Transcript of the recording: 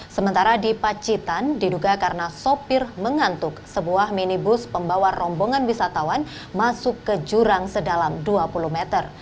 sementara di pacitan diduga karena sopir mengantuk sebuah minibus pembawa rombongan wisatawan masuk ke jurang sedalam dua puluh meter